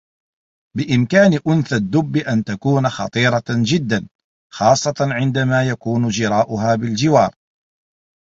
بإمكان أنثى الدّب أن تكون خطيرة جدّا، خاصّة عندما يكون جراؤها بالجوار.